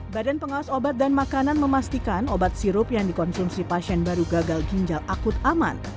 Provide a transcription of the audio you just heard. badan pengawas obat dan makanan memastikan obat sirup yang dikonsumsi pasien baru gagal ginjal akut aman